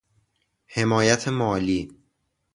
حمایت مالی